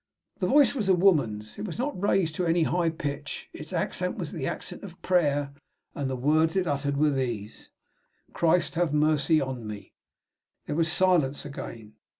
The voice was a woman's. It was not raised to any high pitch; its accent was the accent of prayer, and the words it uttered were these: "Christ, have mercy on me!" There was silence again.